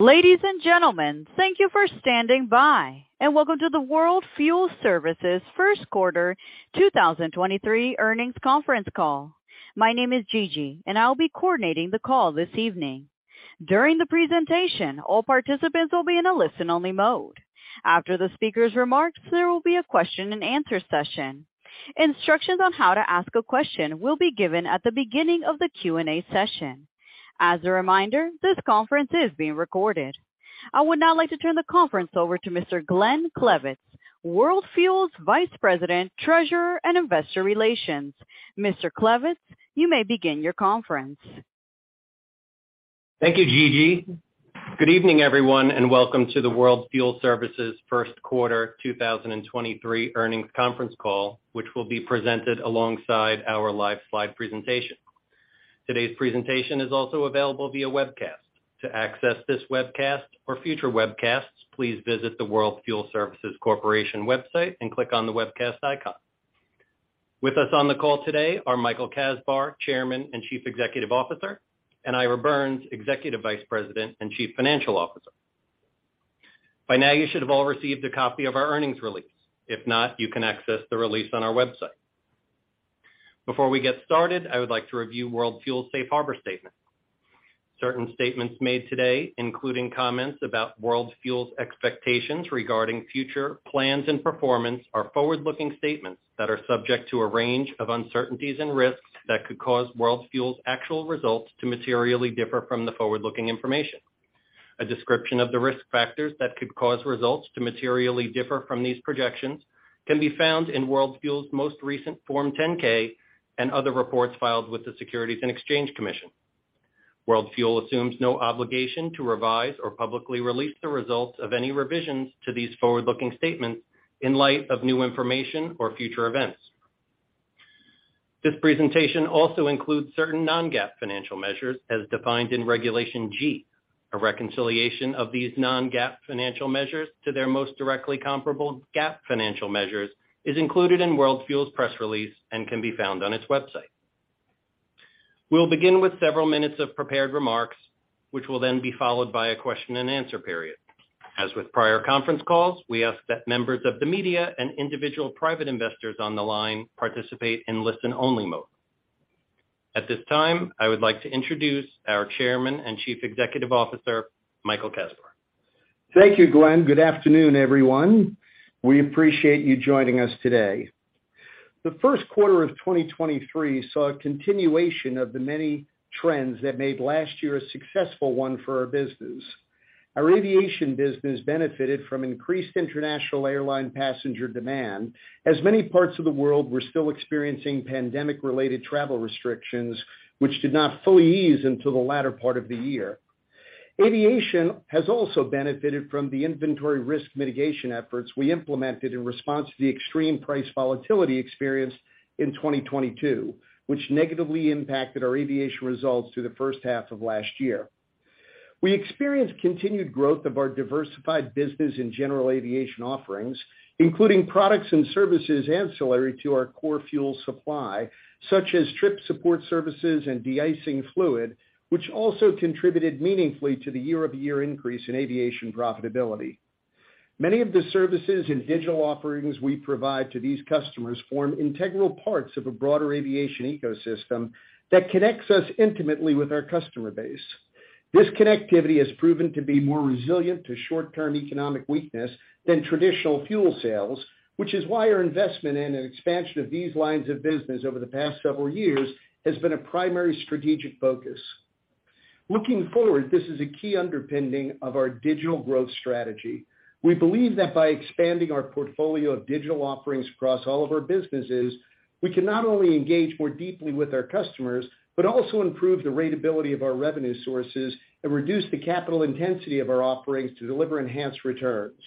Ladies and gentlemen, thank you for standing by and welcome to the World Fuel Services first quarter 2023 earnings conference call. My name is Gigi, and I will be coordinating the call this evening. During the presentation, all participants will be in a listen-only mode. After the speaker's remarks, there will be a question-and-answer session. Instructions on how to ask a question will be given at the beginning of the Q&A session. As a reminder, this conference is being recorded. I would now like to turn the conference over to Mr. Glenn Klevitz, World Fuel's Vice President, Treasurer, and Investor Relations. Mr. Klevitz, you may begin your conference. Thank you, Gigi. Good evening, everyone, welcome to the World Fuel Services first quarter 2023 earnings conference call, which will be presented alongside our live slide presentation. Today's presentation is also available via webcast. To access this webcast or future webcasts, please visit the World Fuel Services Corporation website and click on the webcast icon. With us on the call today are Michael Kasbar, Chairman and Chief Executive Officer, and Ira Birns, Executive Vice President and Chief Financial Officer. By now, you should have all received a copy of our earnings release. If not, you can access the release on our website. Before we get started, I would like to review World Fuel's safe harbor statement. Certain statements made today, including comments about World Fuel's expectations regarding future plans and performance, are forward-looking statements that are subject to a range of uncertainties and risks that could cause World Fuel's actual results to materially differ from the forward-looking information. A description of the risk factors that could cause results to materially differ from these projections can be found in World Fuel's most recent Form 10-K and other reports filed with the Securities and Exchange Commission. World Fuel assumes no obligation to revise or publicly release the results of any revisions to these forward-looking statements in light of new information or future events. This presentation also includes certain non-GAAP financial measures as defined in Regulation G. A reconciliation of these non-GAAP financial measures to their most directly comparable GAAP financial measures is included in World Fuel's press release and can be found on its website. We'll begin with several minutes of prepared remarks, which will then be followed by a question-and-answer period. As with prior conference calls, we ask that members of the media and individual private investors on the line participate in listen-only mode. At this time, I would like to introduce our Chairman and Chief Executive Officer, Michael Kasbar. Thank you, Glenn. Good afternoon, everyone. We appreciate you joining us today. The first quarter of 2023 saw a continuation of the many trends that made last year a successful one for our business. Our aviation business benefited from increased international airline passenger demand as many parts of the world were still experiencing pandemic-related travel restrictions, which did not fully ease until the latter part of the year. Aviation has also benefited from the inventory risk mitigation efforts we implemented in response to the extreme price volatility experienced in 2022, which negatively impacted our aviation results through the first half of last year. We experienced continued growth of our diversified business in general aviation offerings, including products and services ancillary to our core fuel supply, such as trip support services and de-icing fluid, which also contributed meaningfully to the year-over-year increase in aviation profitability. Many of the services and digital offerings we provide to these customers form integral parts of a broader aviation ecosystem that connects us intimately with our customer base. This connectivity has proven to be more resilient to short-term economic weakness than traditional fuel sales, which is why our investment in an expansion of these lines of business over the past several years has been a primary strategic focus. Looking forward, this is a key underpinning of our digital growth strategy. We believe that by expanding our portfolio of digital offerings across all of our businesses, we can not only engage more deeply with our customers, but also improve the ratability of our revenue sources and reduce the capital intensity of our offerings to deliver enhanced returns.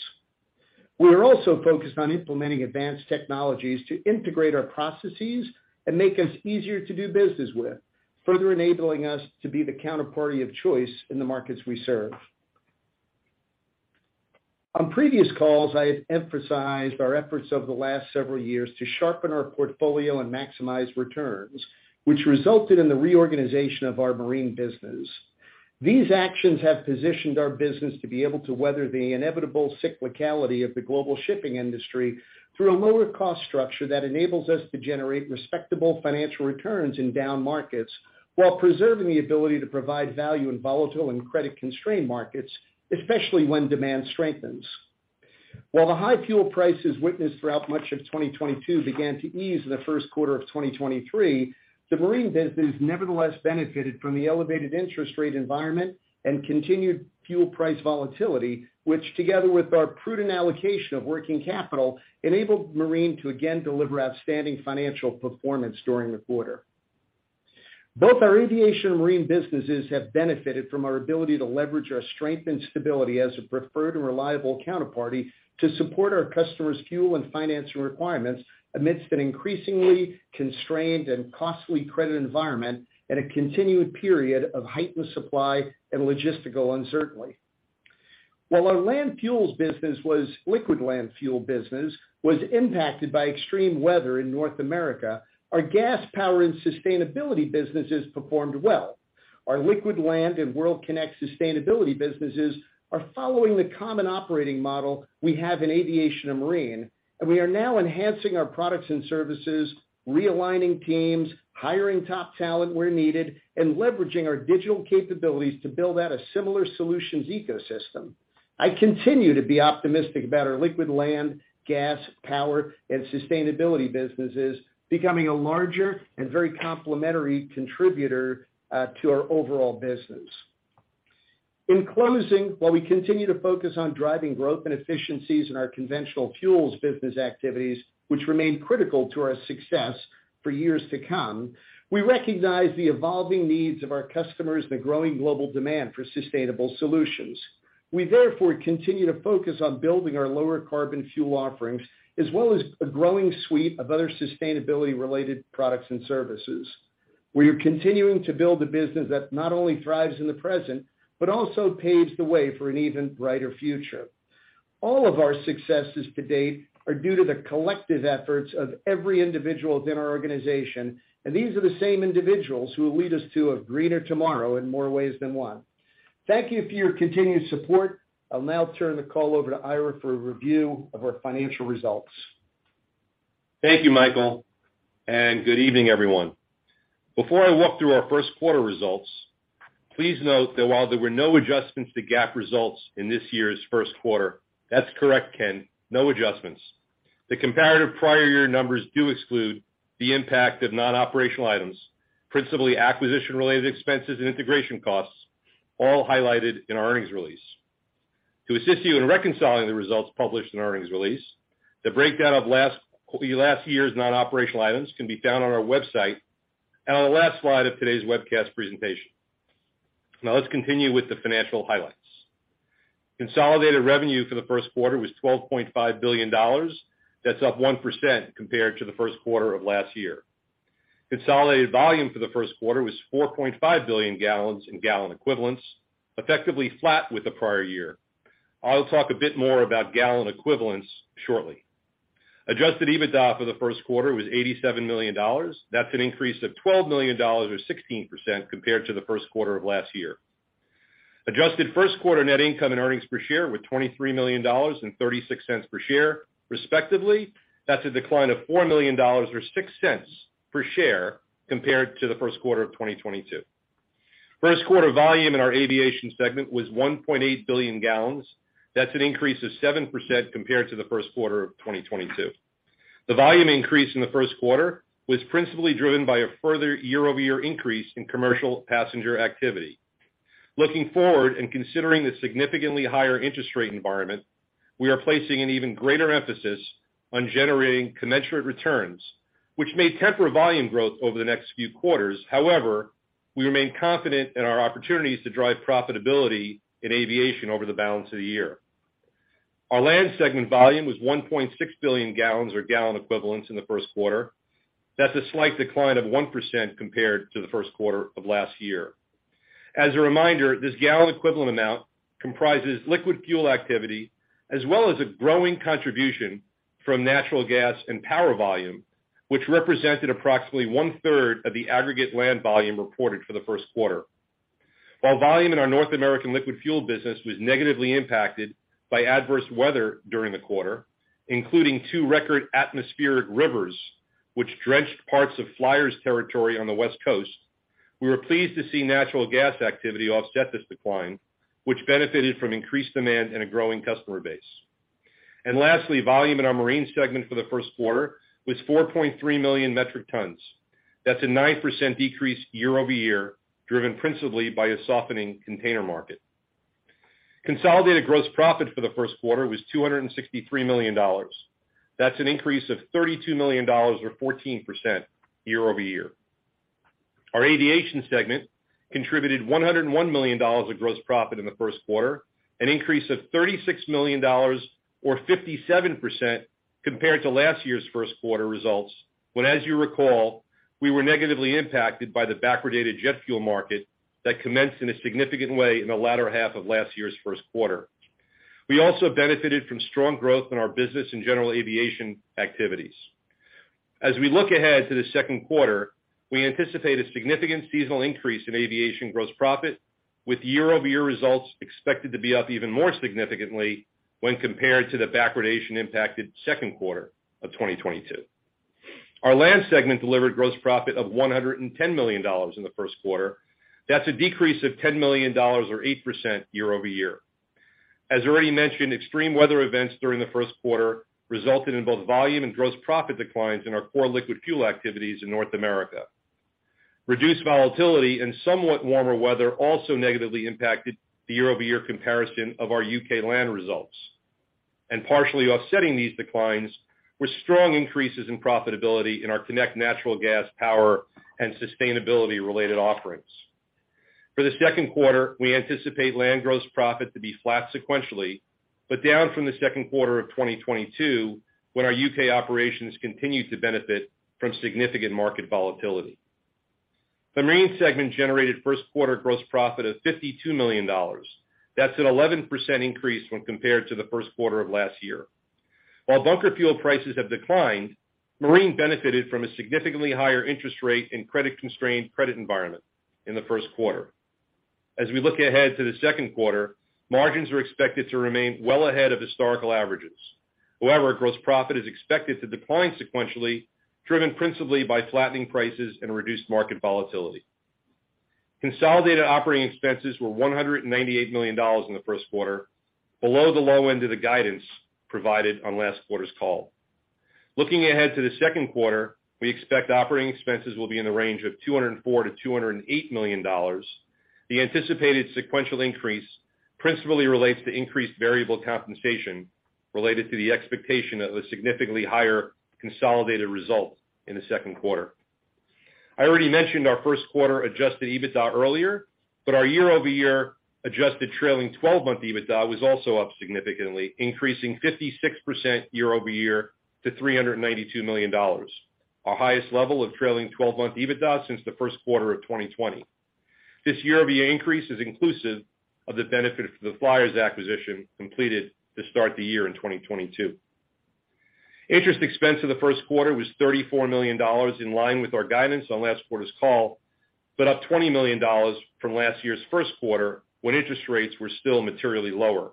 We are also focused on implementing advanced technologies to integrate our processes and make us easier to do business with, further enabling us to be the counterparty of choice in the markets we serve. On previous calls, I have emphasized our efforts over the last several years to sharpen our portfolio and maximize returns, which resulted in the reorganization of our marine business. These actions have positioned our business to be able to weather the inevitable cyclicality of the global shipping industry through a lower cost structure that enables us to generate respectable financial returns in down markets while preserving the ability to provide value in volatile and credit-constrained markets, especially when demand strengthens. While the high fuel prices witnessed throughout much of 2022 began to ease in the first quarter of 2023, the marine business nevertheless benefited from the elevated interest rate environment and continued fuel price volatility, which together with our prudent allocation of working capital, enabled marine to again deliver outstanding financial performance during the quarter. Both our aviation and marine businesses have benefited from our ability to leverage our strength and stability as a preferred and reliable counterparty to support our customers' fuel and financing requirements amidst an increasingly constrained and costly credit environment and a continued period of heightened supply and logistical uncertainty. While our land fuels business was liquid land fuel business was impacted by extreme weather in North America, our gas, power, and sustainability businesses performed well. Our liquid land and World Kinect sustainability businesses are following the common operating model we have in aviation and marine. We are now enhancing our products and services, realigning teams, hiring top talent where needed, and leveraging our digital capabilities to build out a similar solutions ecosystem. I continue to be optimistic about our liquid land, gas, power, and sustainability businesses becoming a larger and very complementary contributor to our overall business. In closing, while we continue to focus on driving growth and efficiencies in our conventional fuels business activities, which remain critical to our success for years to come, we recognize the evolving needs of our customers and the growing global demand for sustainable solutions. We therefore continue to focus on building our lower carbon fuel offerings, as well as a growing suite of other sustainability-related products and services. We are continuing to build a business that not only thrives in the present, but also paves the way for an even brighter future. All of our successes to date are due to the collective efforts of every individual within our organization. These are the same individuals who will lead us to a greener tomorrow in more ways than one. Thank you for your continued support. I'll now turn the call over to Ira for a review of our financial results. Thank you, Michael. Good evening, everyone. Before I walk through our first quarter results, please note that while there were no adjustments to GAAP results in this year's first quarter, that's correct, Ken, no adjustments. The comparative prior year numbers do exclude the impact of non-operational items, principally acquisition-related expenses and integration costs, all highlighted in our earnings release. To assist you in reconciling the results published in our earnings release, the breakdown of last year's non-operational items can be found on our website and on the last slide of today's webcast presentation. Let's continue with the financial highlights. Consolidated revenue for the first quarter was $12.5 billion. That's up 1% compared to the first quarter of last year. Consolidated volume for the first quarter was 4.5 billion gal in gallon equivalents, effectively flat with the prior year. I'll talk a bit more about gallon equivalents shortly. Adjusted EBITDA for the first quarter was $87 million. That's an increase of $12 million or 16% compared to the first quarter of last year. Adjusted first-quarter net income and earnings per share were $23 million and $0.36 per share, respectively. That's a decline of $4 million or $0.06 per share compared to the first quarter of 2022. First quarter volume in our aviation segment was 1.8 billion gal. That's an increase of 7% compared to the first quarter of 2022. The volume increase in the first quarter was principally driven by a further year-over-year increase in commercial passenger activity. Looking forward and considering the significantly higher interest rate environment, we are placing an even greater emphasis on generating commensurate returns, which may temper volume growth over the next few quarters. We remain confident in our opportunities to drive profitability in aviation over the balance of the year. Our land segment volume was 1.6 billion gal or gallon equivalents in the first quarter. That's a slight decline of 1% compared to the first quarter of last year. As a reminder, this gallon equivalent amount comprises liquid fuel activity as well as a growing contribution from natural gas and power volume, which represented approximately 1/3 of the aggregate land volume reported for the first quarter. While volume in our North American liquid fuel business was negatively impacted by adverse weather during the quarter, including two record atmospheric rivers, which drenched parts of Flyers territory on the West Coast, we were pleased to see natural gas activity offset this decline, which benefited from increased demand and a growing customer base. Lastly, volume in our marine segment for the first quarter was 4.3 million metric tons. That's a 9% decrease year-over-year, driven principally by a softening container market. Consolidated gross profit for the first quarter was $263 million. That's an increase of $32 million or 14% year-over-year. Our aviation segment contributed $101 million of gross profit in the first quarter, an increase of $36 million or 57% compared to last year's first quarter results, when, as you recall, we were negatively impacted by the backwardated jet fuel market that commenced in a significant way in the latter half of last year's first quarter. We also benefited from strong growth in our business and general aviation activities. As we look ahead to the second quarter, we anticipate a significant seasonal increase in aviation gross profit, with year-over-year results expected to be up even more significantly when compared to the backwardation-impacted second quarter of 2022. Our land segment delivered gross profit of $110 million in the first quarter. That's a decrease of $10 million or 8% year-over-year. As already mentioned, extreme weather events during the first quarter resulted in both volume and gross profit declines in our core liquid fuel activities in North America. Reduced volatility and somewhat warmer weather also negatively impacted the year-over-year comparison of our U.K. Land results. Partially offsetting these declines were strong increases in profitability in our Kinect natural gas, power, and sustainability-related offerings. For the second quarter, we anticipate land gross profit to be flat sequentially, but down from the second quarter of 2022, when our U.K. operations continued to benefit from significant market volatility. The marine segment generated first quarter gross profit of $52 million. That's an 11% increase when compared to the first quarter of last year. While bunker fuel prices have declined, marine benefited from a significantly higher interest rate and credit-constrained credit environment in the first quarter. As we look ahead to the second quarter, margins are expected to remain well ahead of historical averages. However, gross profit is expected to decline sequentially, driven principally by flattening prices and reduced market volatility. Consolidated operating expenses were $198 million in the first quarter, below the low end of the guidance provided on last quarter's call. Looking ahead to the second quarter, we expect operating expenses will be in the range of $204 million-$208 million. The anticipated sequential increase principally relates to increased variable compensation related to the expectation of a significantly higher consolidated result in the second quarter. I already mentioned our first quarter adjusted EBITDA earlier, but our year-over-year adjusted trailing 12-month EBITDA was also up significantly, increasing 56% year-over-year to $392 million, our highest level of trailing 12-month EBITDA since the first quarter of 2020. This year-over-year increase is inclusive of the benefit of the Flyers acquisition completed to start the year in 2022. Interest expense in the first quarter was $34 million, in line with our guidance on last quarter's call, but up $20 million from last year's first quarter when interest rates were still materially lower.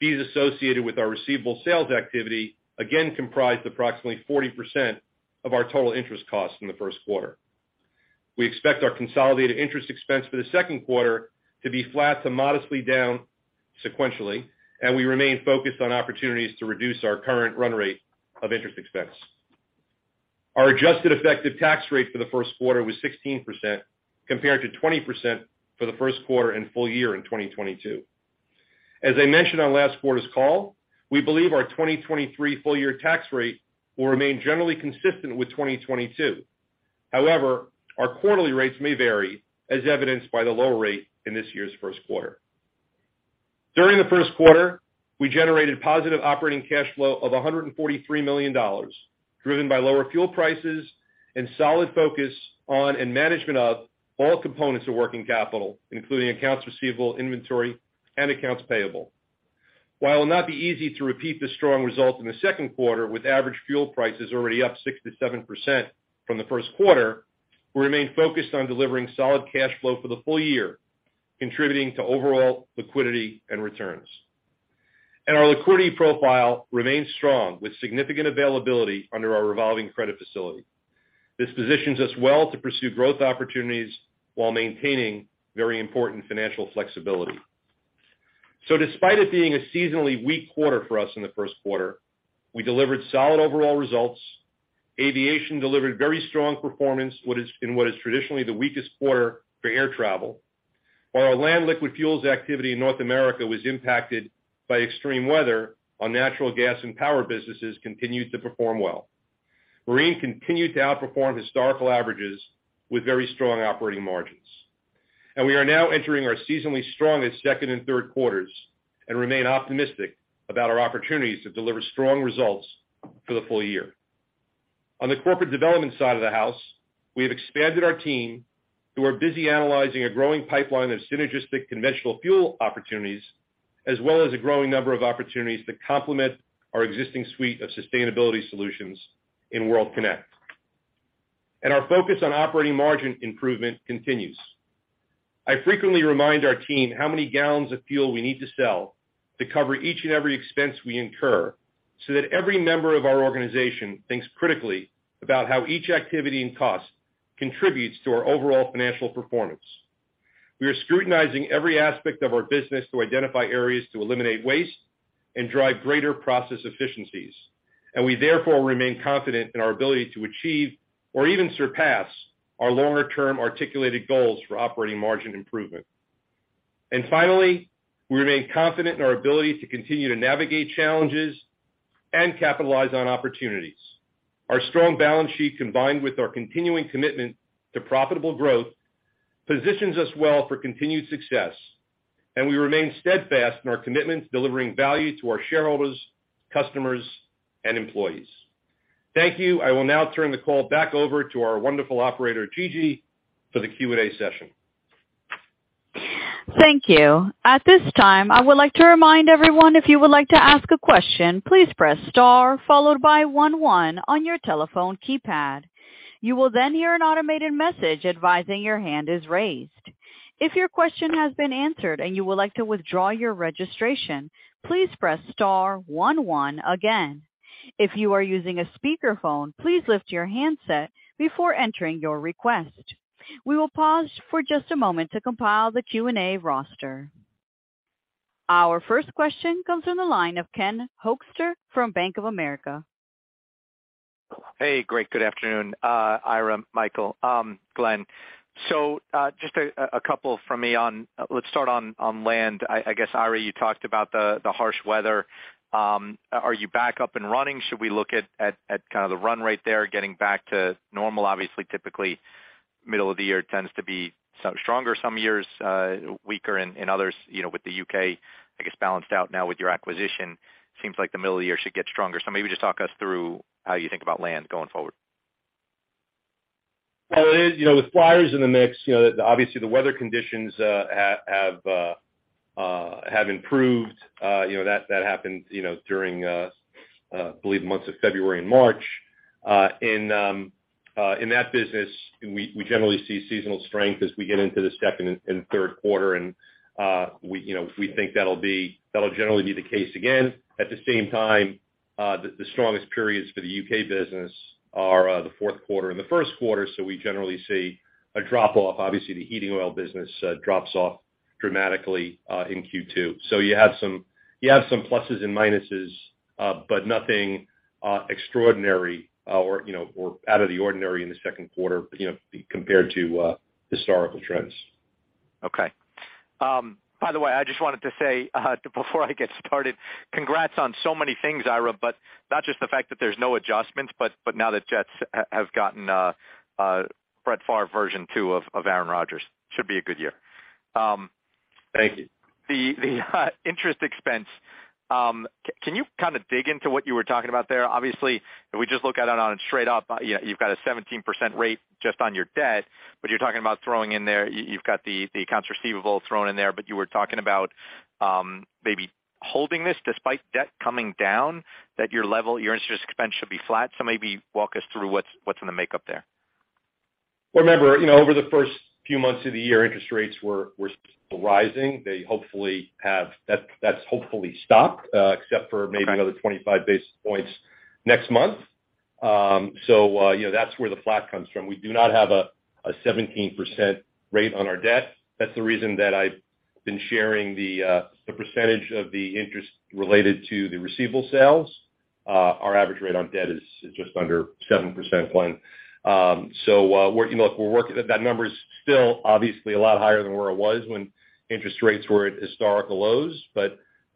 Fees associated with our receivable sales activity again comprised approximately 40% of our total interest costs in the first quarter. We expect our consolidated interest expense for the second quarter to be flat to modestly down sequentially, and we remain focused on opportunities to reduce our current run rate of interest expense. Our adjusted effective tax rate for the first quarter was 16% compared to 20% for the first quarter and full year in 2022. As I mentioned on last quarter's call, we believe our 2023 full year tax rate will remain generally consistent with 2022. However, our quarterly rates may vary, as evidenced by the lower rate in this year's first quarter. During the first quarter, we generated positive operating cash flow of $143 million, driven by lower fuel prices and solid focus on and management of all components of working capital, including accounts receivable, inventory, and accounts payable. While it will not be easy to repeat the strong result in the second quarter with average fuel prices already up 6%-7% from the first quarter, we remain focused on delivering solid cash flow for the full year, contributing to overall liquidity and returns. Our liquidity profile remains strong with significant availability under our revolving credit facility. This positions us well to pursue growth opportunities while maintaining very important financial flexibility. Despite it being a seasonally weak quarter for us in the first quarter, we delivered solid overall results. Aviation delivered very strong performance in what is traditionally the weakest quarter for air travel. While our land liquid fuels activity in North America was impacted by extreme weather, our natural gas and power businesses continued to perform well. Marine continued to outperform historical averages with very strong operating margins. We are now entering our seasonally strongest second and third quarters and remain optimistic about our opportunities to deliver strong results for the full year. On the corporate development side of the house, we have expanded our team who are busy analyzing a growing pipeline of synergistic conventional fuel opportunities, as well as a growing number of opportunities to complement our existing suite of sustainability solutions in World Kinect. Our focus on operating margin improvement continues. I frequently remind our team how many gallons of fuel we need to sell to cover each and every expense we incur so that every member of our organization thinks critically about how each activity and cost contributes to our overall financial performance. We are scrutinizing every aspect of our business to identify areas to eliminate waste and drive greater process efficiencies, we therefore remain confident in our ability to achieve or even surpass our longer-term articulated goals for operating margin improvement. Finally, we remain confident in our ability to continue to navigate challenges and capitalize on opportunities. Our strong balance sheet, combined with our continuing commitment to profitable growth, positions us well for continued success, we remain steadfast in our commitment to delivering value to our shareholders, customers, and employees. Thank you. I will now turn the call back over to our wonderful operator, Gigi, for the Q&A session. Thank you. At this time, I would like to remind everyone if you would like to ask a question, please press star followed by one one on your telephone keypad. You will then hear an automated message advising your hand is raised. If your question has been answered and you would like to withdraw your registration, please press star one one again. If you are using a speakerphone, please lift your handset before entering your request. We will pause for just a moment to compile the Q&A roster. Our first question comes from the line of Ken Hoexter from Bank of America. Hey, great. Good afternoon, Ira, Michael, Glenn. Just a couple from me, let's start on land. I guess, Ira, you talked about the harsh weather. Are you back up and running? Should we look at kind of the run rate there getting back to normal? Obviously, typically, middle of the year tends to be stronger some years, weaker in others, you know, with the U.K., I guess, balanced out now with your acquisition. Seems like the middle of the year should get stronger. Maybe just talk us through how you think about land going forward. Well, it is, you know, with Flyers in the mix, you know, obviously the weather conditions have improved. You know, that happened, you know, during, I believe months of February and March. In that business, we generally see seasonal strength as we get into the second and third quarter. We, you know, we think that'll generally be the case again. At the same time, the strongest periods for the U.K. business are the fourth quarter and the first quarter, we generally see a drop-off. Obviously, the heating oil business drops off dramatically in Q2. You have some pluses and minuses, but nothing extraordinary or, you know, or out of the ordinary in the second quarter, you know, compared to historical trends. Okay. By the way, I just wanted to say, before I get started, congrats on so many things, Ira, but not just the fact that there's no adjustments, but now that Jets have gotten, Brett Favre version two of Aaron Rodgers. Should be a good year. Thank you. The interest expense, can you kind of dig into what you were talking about there? Obviously, if we just look at it on a straight up, you know, you've got a 17% rate just on your debt, but you're talking about You've got the accounts receivable thrown in there, but you were talking about maybe holding this despite debt coming down, that your interest expense should be flat. Maybe walk us through what's in the makeup there. Well, remember, you know, over the first few months of the year, interest rates were still rising. That's hopefully stopped, except for maybe another 25 basis points next month. You know, that's where the flat comes from. We do not have a 17% rate on our debt. That's the reason that I've been sharing the percentage of the interest related to the receivable sales. Our average rate on debt is just under 7%, Glenn. You know, look, we're working. That number is still obviously a lot higher than where it was when interest rates were at historical lows.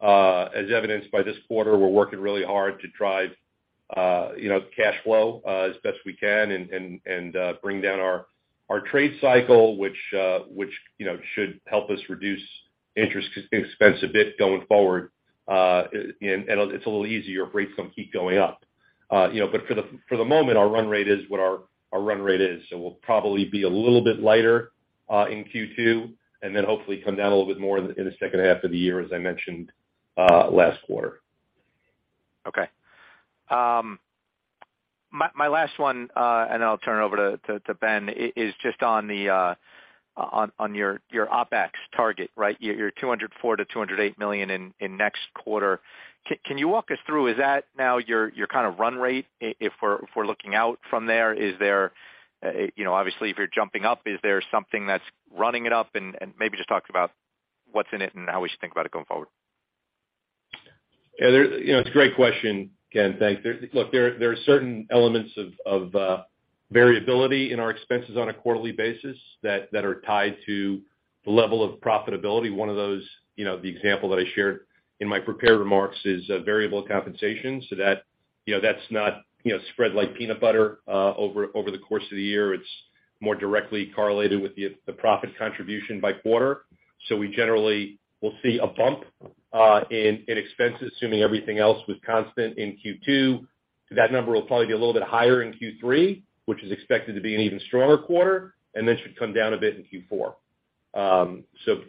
As evidenced by this quarter, we're working really hard to drive, you know, cash flow, as best we can and bring down our trade cycle, which, you know, should help us reduce interest expense a bit going forward. It's a little easier if rates don't keep going up. You know, for the moment, our run rate is what our run rate is. We'll probably be a little bit lighter in Q2, and then hopefully come down a little bit more in the second half of the year, as I mentioned last quarter. Okay. My last one, I'll turn it over to Ben, is just on your OpEx target, right? Your $204 million-$208 million in next quarter. Can you walk us through, is that now your kind of run rate if we're looking out from there? Is there, you know, obviously, if you're jumping up, is there something that's running it up? Maybe just talk to us about what's in it and how we should think about it going forward. You know, it's a great question, Ken. Thanks. Look, there are certain elements of variability in our expenses on a quarterly basis that are tied to the level of profitability. One of those, you know, the example that I shared in my prepared remarks is variable compensation. That, you know, that's not, you know, spread like peanut butter over the course of the year. It's more directly correlated with the profit contribution by quarter. We generally will see a bump in expenses, assuming everything else was constant in Q2. That number will probably be a little bit higher in Q3, which is expected to be an even stronger quarter, and then should come down a bit in Q4.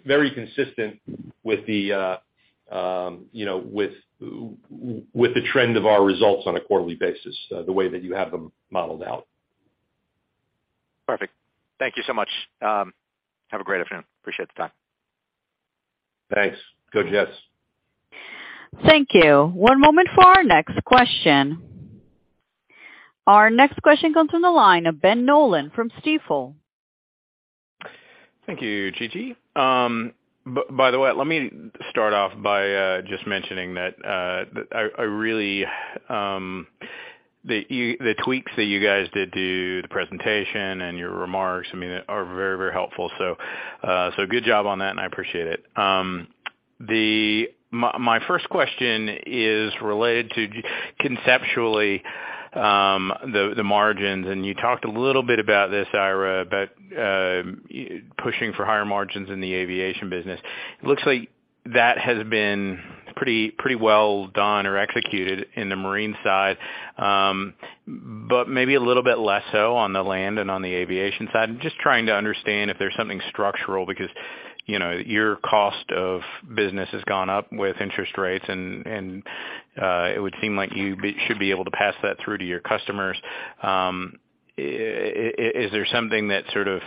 Very consistent with the, you know, with the trend of our results on a quarterly basis, the way that you have them modeled out. Perfect. Thank you so much. Have a great afternoon. Appreciate the time. Thanks. Good, yes. Thank you. One moment for our next question. Our next question comes from the line of Ben Nolan from Stifel. Thank you, Gigi. by the way, let me start off by just mentioning that I really, the tweaks that you guys did to the presentation and your remarks, I mean, are very, very helpful. Good job on that, and I appreciate it. My first question is related to conceptually, the margins, and you talked a little bit about this, Ira, about pushing for higher margins in the aviation business. It looks like that has been pretty well done or executed in the marine side, but maybe a little bit less so on the land and on the aviation side. I'm just trying to understand if there's something structural because, you know, your cost of business has gone up with interest rates and, it would seem like you should be able to pass that through to your customers. Is there something that sort of,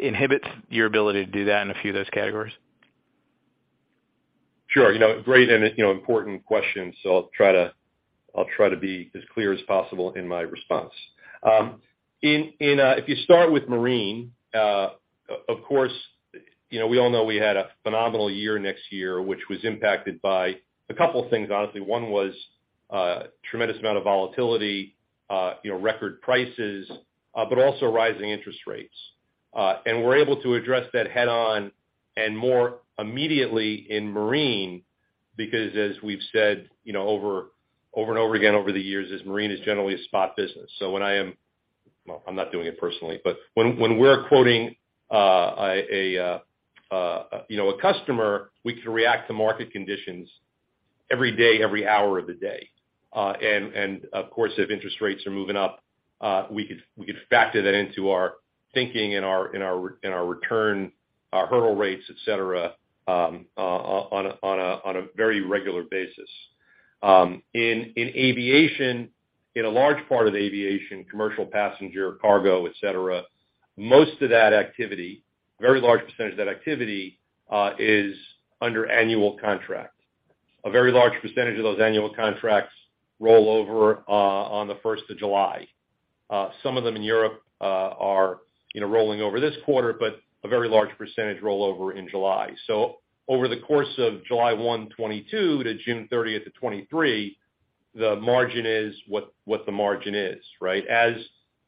inhibits your ability to do that in a few of those categories? Sure. You know, great and, you know, important question, so I'll try to, I'll try to be as clear as possible in my response. In, in, if you start with marine, of course, you know, we all know we had a phenomenal year next year, which was impacted by a couple things, honestly. One was, tremendous amount of volatility, you know, record prices, but also rising interest rates. We're able to address that head on and more immediately in marine because as we've said, you know, over and over again over the years, is marine is generally a spot business. When I am... Well, I'm not doing it personally, but when we're quoting, you know, a customer, we can react to market conditions. Every day, every hour of the day. Of course, if interest rates are moving up, we could factor that into our thinking and our return, our hurdle rates, et cetera, on a very regular basis. In aviation, in a large part of aviation, commercial passenger, cargo, et cetera, most of that activity, very large percentage of that activity is under annual contract. A very large percentage of those annual contracts roll over on the first of July. Some of them in Europe are, you know, rolling over this quarter, but a very large percentage roll over in July. Over the course of July 1, 2022 to June 30th, 2023, the margin is what the margin is, right?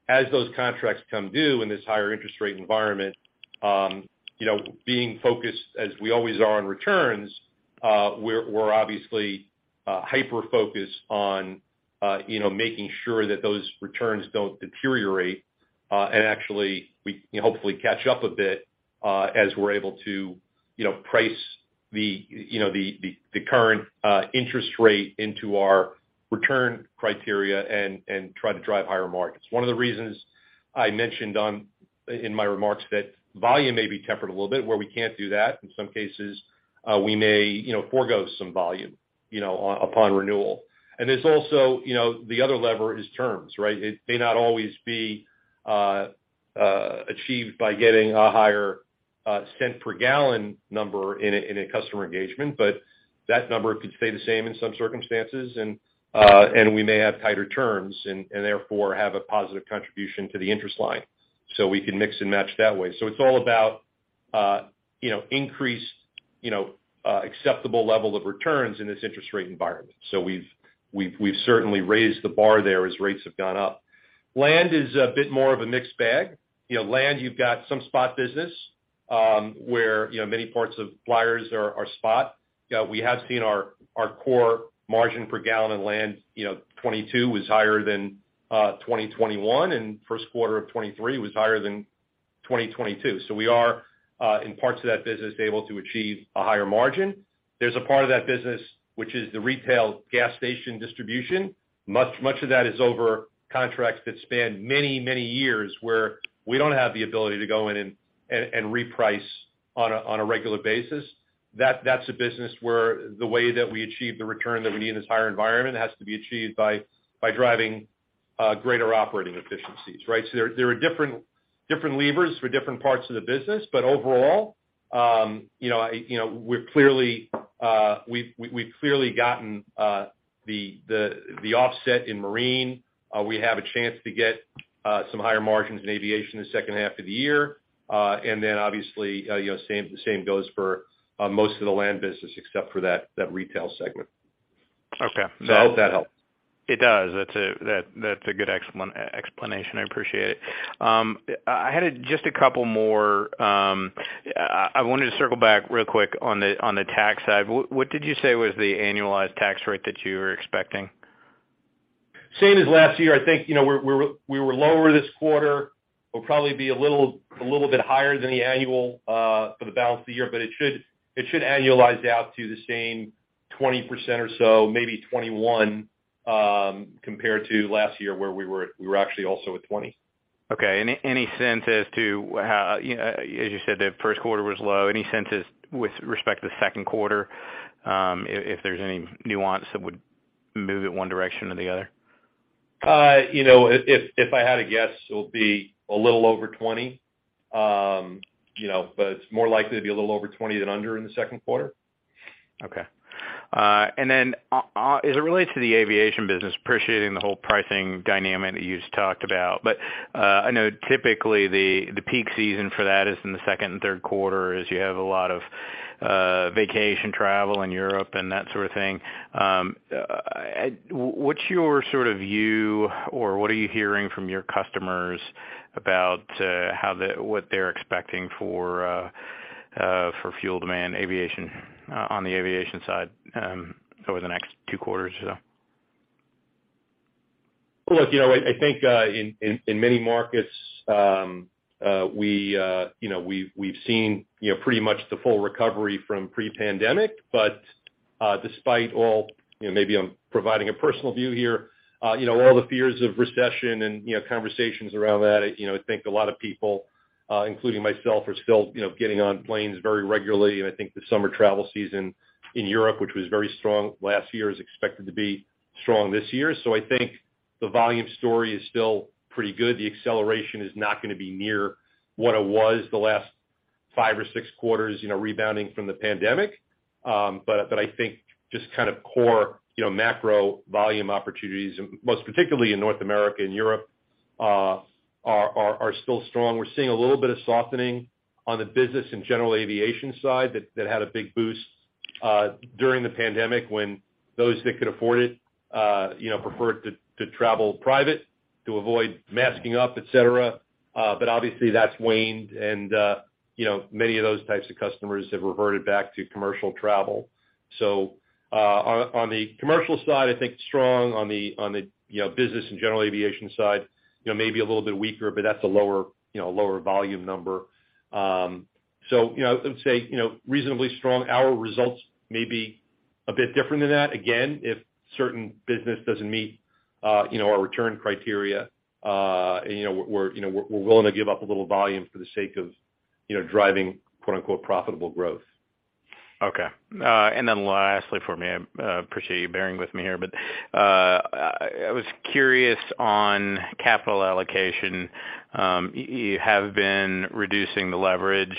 As those contracts come due in this higher interest rate environment, you know, being focused as we always are on returns, we're obviously hyper-focused on, you know, making sure that those returns don't deteriorate, and actually we can hopefully catch up a bit, as we're able to, you know, price the current interest rate into our return criteria and try to drive higher margins. One of the reasons I mentioned in my remarks that volume may be tempered a little bit where we can't do that. In some cases, we may, you know, forego some volume, you know, upon renewal. There's also, you know, the other lever is terms, right? It may not always be achieved by getting a higher cent per gallon number in a customer engagement, that number could stay the same in some circumstances and we may have tighter terms and therefore have a positive contribution to the interest line. We can mix and match that way. It's all about, you know, increase, you know, acceptable level of returns in this interest rate environment. We've certainly raised the bar there as rates have gone up. Land is a bit more of a mixed bag. You know, land, you've got some spot business, where, you know, many parts of Flyers are spot. We have seen our core margin per gallon in land, you know, 2022 was higher than 2021, and first quarter of 2023 was higher than 2022. We are in parts of that business able to achieve a higher margin. There's a part of that business which is the retail gas station distribution. Much of that is over contracts that span many, many years where we don't have the ability to go in and reprice on a regular basis. That's a business where the way that we achieve the return that we need in this higher environment has to be achieved by driving greater operating efficiencies, right? There are different levers for different parts of the business. Overall, you know, I, you know, we've clearly gotten the offset in marine. We have a chance to get some higher margins in aviation the second half of the year. Obviously, you know, same goes for most of the land business except for that retail segment. Okay. I hope that helps. It does. That's a good excellent explanation. I appreciate it. I had just a couple more. I wanted to circle back real quick on the tax side. What did you say was the annualized tax rate that you were expecting? Same as last year. I think, you know, we're, we were lower this quarter. We'll probably be a little bit higher than the annual for the balance of the year, but it should annualize out to the same 20% or so, maybe 21, compared to last year where we were actually also at 20. Any sense as to how, you know, as you said, the first quarter was low. Any sense as with respect to the second quarter, if there's any nuance that would move it one direction or the other? You know, if I had to guess, it'll be a little over 20. You know, it's more likely to be a little over 20 than under in the second quarter. Okay. As it relates to the aviation business, appreciating the whole pricing dynamic that you just talked about. I know typically the peak season for that is in the second and third quarter as you have a lot of vacation travel in Europe and that sort of thing. What's your sort of view or what are you hearing from your customers about what they're expecting for fuel demand aviation on the aviation side over the next two quarters or so? Look, you know, I think in many markets, you know, we've seen, you know, pretty much the full recovery from pre-pandemic. Despite all, you know, maybe I'm providing a personal view here, you know, all the fears of recession and, you know, conversations around that, you know, I think a lot of people, including myself, are still, you know, getting on planes very regularly. I think the summer travel season in Europe, which was very strong last year, is expected to be strong this year. I think the volume story is still pretty good. The acceleration is not gonna be near what it was the last five or six quarters, you know, rebounding from the pandemic. I think just kind of core, you know, macro volume opportunities, most particularly in North America and Europe, are still strong. We're seeing a little bit of softening on the business and general aviation side that had a big boost during the pandemic when those that could afford it, you know, preferred to travel private to avoid masking up, et cetera. Obviously that's waned and, you know, many of those types of customers have reverted back to commercial travel. On the commercial side, I think strong. On the business and general aviation side, you know, maybe a little bit weaker, but that's a lower volume number. you know, I would say, you know, reasonably strong. Our results may be a bit different than that. Again, if certain business doesn't meet, you know, our return criteria, you know, we're, you know, we're willing to give up a little volume for the sake of, you know, driving, quote-unquote, profitable growth. Okay. Lastly for me, I appreciate you bearing with me here, I was curious on capital allocation. You have been reducing the leverage,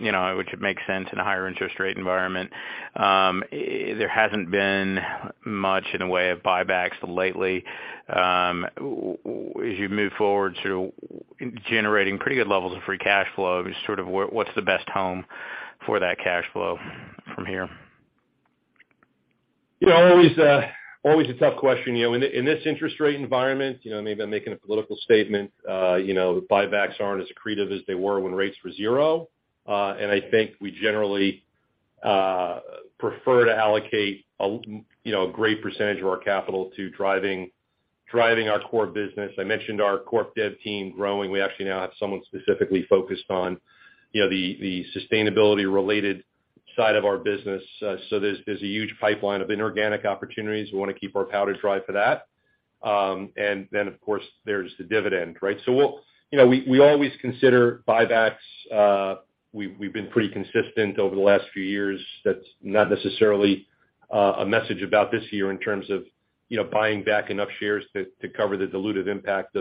you know, which makes sense in a higher interest rate environment. There hasn't been much in the way of buybacks lately. As you move forward to generating pretty good levels of free cash flow, just sort of what's the best home for that cash flow from here? You know, always a tough question. You know, in this interest rate environment, you know, maybe I'm making a political statement, you know, buybacks aren't as accretive as they were when rates were zero. I think we generally prefer to allocate a, you know, a great percentage of our capital to driving our core business. I mentioned our corp dev team growing. We actually now have someone specifically focused on, you know, the sustainability related side of our business. There's a huge pipeline of inorganic opportunities. We wanna keep our powder dry for that. Then, of course, there's the dividend, right? You know, we always consider buybacks. We've been pretty consistent over the last few years. That's not necessarily, a message about this year in terms of, you know, buying back enough shares to cover the dilutive impact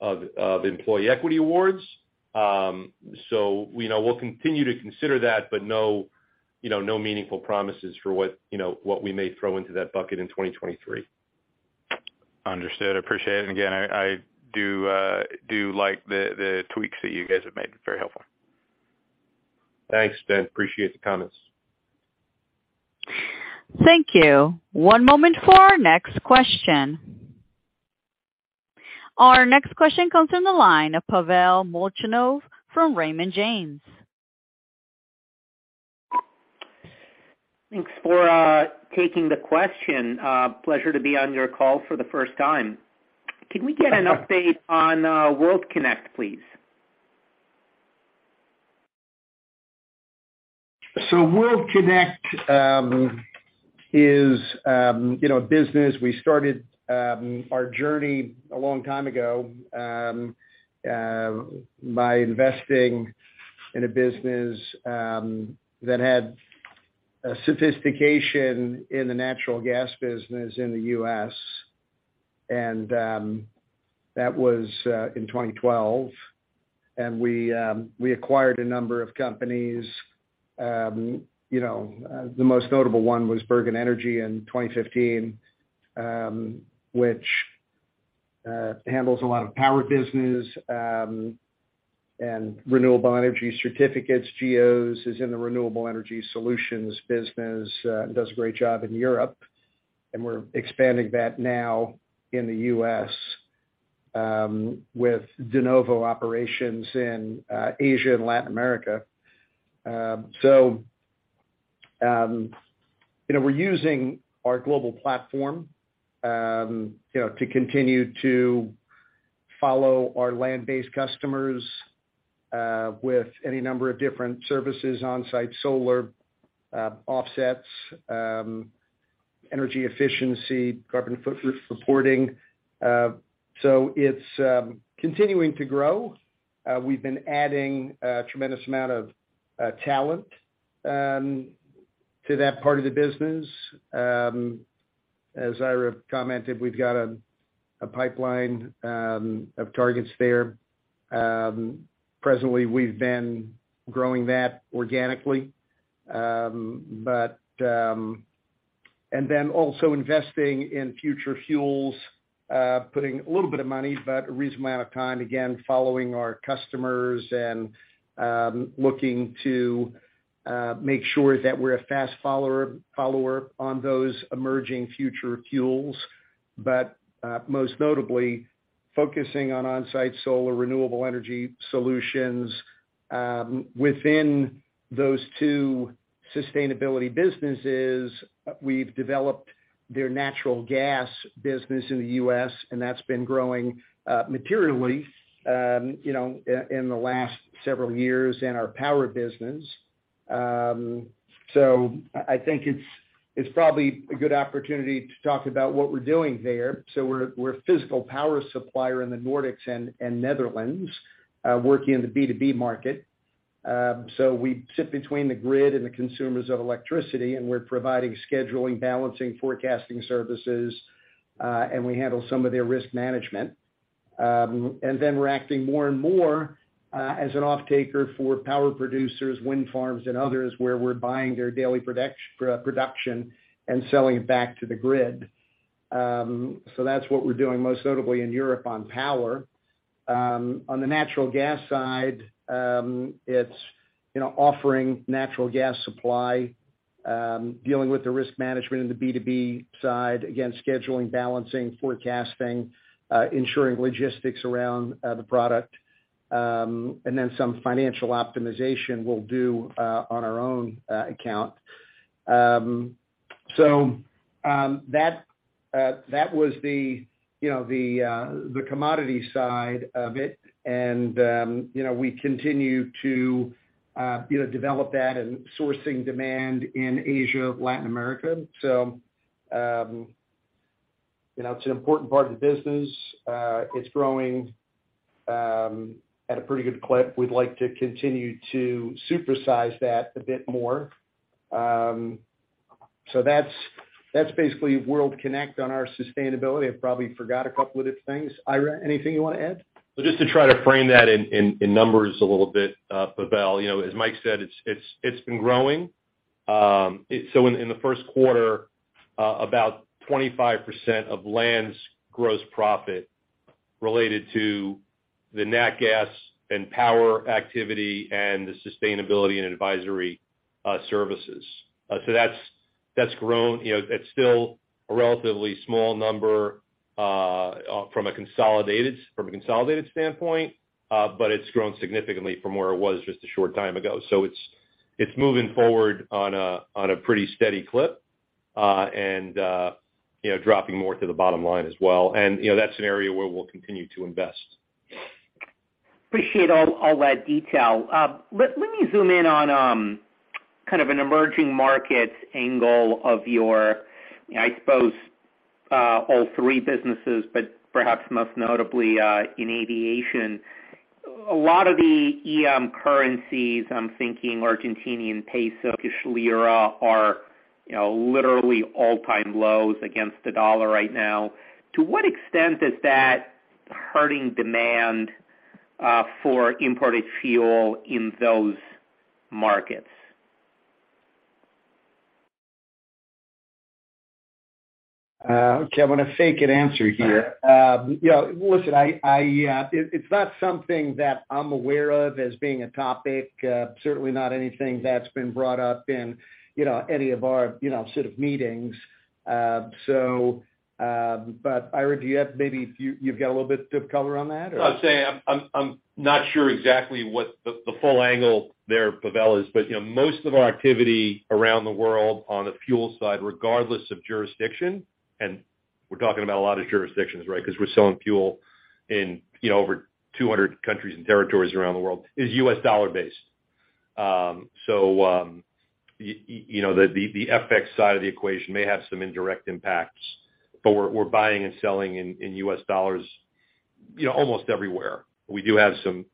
of employee equity awards. We know we'll continue to consider that, but no, you know, no meaningful promises for what, you know, what we may throw into that bucket in 2023. Understood. Appreciate it. Again, I do like the tweaks that you guys have made. Very helpful. Thanks, Ben. Appreciate the comments. Thank you. One moment for our next question. Our next question comes from the line of Pavel Molchanov from Raymond James. Thanks for taking the question. Pleasure to be on your call for the first time. Can we get an update on World Kinect, please? World Kinect is, you know, a business. We started our journey a long time ago by investing in a business that had a sophistication in the natural gas business in the U.S. That was in 2012. We acquired a number of companies. You know, the most notable one was Bergen Energi in 2015, which handles a lot of power business and renewable energy certificates. GEOS is in the renewable energy solutions business and does a great job in Europe, and we're expanding that now in the U.S. with de novo operations in Asia and Latin America. You know, we're using our global platform, you know, to continue to follow our land-based customers with any number of different services onsite solar, offsets, energy efficiency, carbon footprint reporting. It's continuing to grow. We've been adding a tremendous amount of talent to that part of the business. As Ira commented, we've got a pipeline of targets there. Presently we've been growing that organically. Also investing in future fuels, putting a little bit of money, but a reasonable amount of time, again, following our customers and looking to make sure that we're a fast follower on those emerging future fuels. Most notably focusing on onsite solar, renewable energy solutions. Within those two sustainability businesses, we've developed their natural gas business in the U.S., and that's been growing materially, you know, in the last several years in our power business. I think it's probably a good opportunity to talk about what we're doing there. We're a physical power supplier in the Nordics and Netherlands, working in the B2B market. We sit between the grid and the consumers of electricity, and we're providing scheduling, balancing, forecasting services, and we handle some of their risk management. We're acting more and more as an offtaker for power producers, wind farms and others, where we're buying their daily production and selling it back to the grid. That's what we're doing most notably in Europe on power. On the natural gas side, it's, you know, offering natural gas supply, dealing with the risk management in the B2B side. Again, scheduling, balancing, forecasting, ensuring logistics around the product, and then some financial optimization we'll do on our own account. That was the, you know, the commodity side of it. You know, we continue to, you know, develop that and sourcing demand in Asia, Latin America. You know, it's an important part of the business. It's growing at a pretty good clip. We'd like to continue to supersize that a bit more. That's, that's basically World Kinect on our sustainability. I probably forgot a couple of different things. Ira, anything you wanna add? Just to try to frame that in numbers a little bit, Pavel. You know, as Mike said, it's been growing. In the first quarter, about 25% of Land's gross profit related to the nat gas and power activity and the sustainability and advisory services. That's grown. You know, it's still a relatively small number from a consolidated standpoint, but it's grown significantly from where it was just a short time ago. It's moving forward on a pretty steady clip and, you know, dropping more to the bottom line as well. You know, that's an area where we'll continue to invest. Appreciate all that detail. Let me zoom in on kind of an emerging market angle of your, I suppose, all three businesses, but perhaps most notably, in aviation. A lot of the EM currencies, I'm thinking Argentinian peso, Turkish lira are, you know, literally all-time lows against the dollar right now. To what extent is that hurting demand for imported fuel in those markets? Okay. I'm gonna fake an answer here. You know, listen, I, it's not something that I'm aware of as being a topic. Certainly not anything that's been brought up in, you know, any of our, you know, sort of meetings. Ira, do you have maybe you've got a little bit of color on that or? I'd say I'm not sure exactly what the full angle there, Pavel, is. You know, most of our activity around the world on the fuel side, regardless of jurisdiction, and we're talking about a lot of jurisdictions, right? 'Cause we're selling fuel in, you know, over 200 countries and territories around the world, is U.S. dollar based. You know, the FX side of the equation may have some indirect impacts, but we're buying and selling in U.S. dollars, you know, almost everywhere. We do have some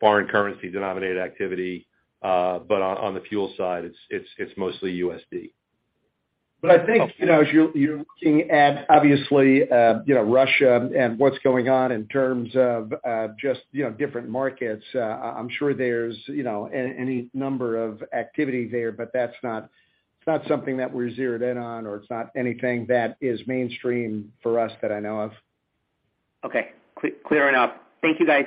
foreign currency denominated activity, but on the fuel side, it's mostly USD. I think, you know, as you're looking at, obviously, you know, Russia and what's going on in terms of, just, you know, different markets, I'm sure there's, you know, any number of activity there, but that's not, it's not something that we're zeroed in on or it's not anything that is mainstream for us that I know of. Okay. Clear enough. Thank you, guys.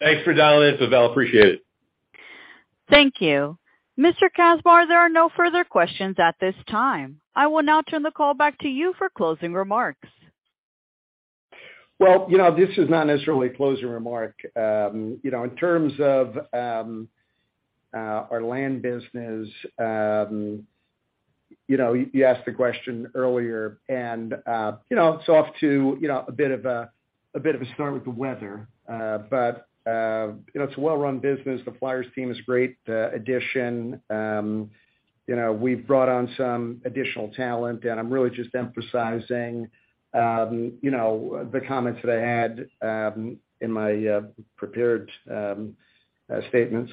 Thanks for dialing in, Pavel. Appreciate it. Thank you. Mr. Kasbar, there are no further questions at this time. I will now turn the call back to you for closing remarks. Well, you know, this is not necessarily a closing remark. You know, in terms of our land business, you know, you asked the question earlier and, you know, it's off to, you know, a bit of a bit of a start with the weather. You know, it's a well-run business. The Flyers team is great addition. You know, we've brought on some additional talent, and I'm really just emphasizing, you know, the comments that I had in my prepared statements.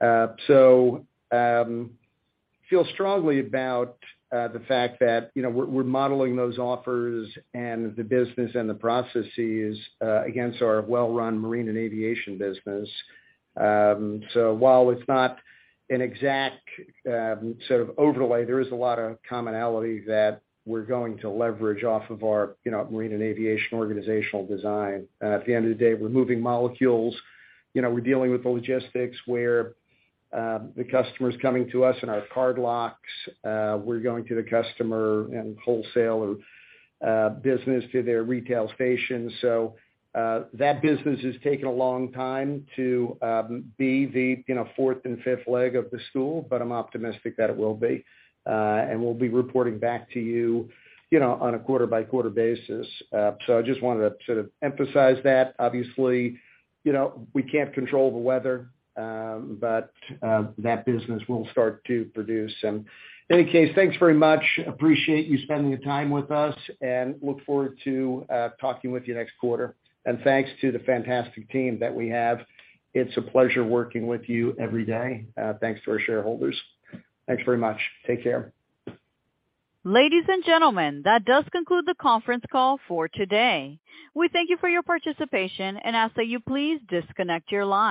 Feel strongly about the fact that, you know, we're modeling those offers and the business and the processes against our well-run marine and aviation business. While it's not an exact sort of overlay, there is a lot of commonality that we're going to leverage off of our, you know, marine and aviation organizational design. At the end of the day, we're moving molecules. You know, we're dealing with the logistics where the customer's coming to us in our cardlocks. We're going to the customer and wholesale business to their retail station. That business has taken a long time to be the, you know, fourth and fifth leg of the stool, but I'm optimistic that it will be. We'll be reporting back to you know, on a quarter-by-quarter basis. I just wanted to sort of emphasize that. Obviously, you know, we can't control the weather, but that business will start to produce. Any case, thanks very much. Appreciate you spending the time with us, and look forward to talking with you next quarter. Thanks to the fantastic team that we have. It's a pleasure working with you every day. Thanks to our shareholders. Thanks very much. Take care. Ladies and gentlemen, that does conclude the conference call for today. We thank you for your participation and ask that you please disconnect your line.